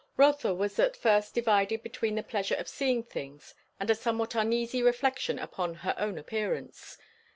Rotha was at first divided between the pleasure of seeing things, and a somewhat uneasy reflection upon her own appearance.